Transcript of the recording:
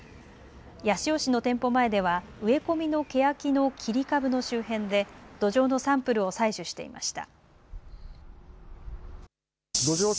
八潮市の店舗前では植え込みのけやきの切り株の周辺で土壌のサンプルを採取していました。